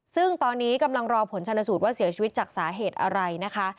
ซึ่งตอนนี้กำลังรอผลชนสูตรว่าเสียชีวิตจากสาเหตุอะไรนะคะ